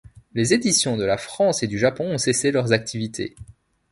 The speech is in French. Les éditions de la France et du Japon ont cessé leurs activités.